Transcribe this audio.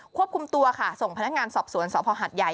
ควบคุมตัวค่ะส่งพนักงานสอบสวนสภหัดใหญ่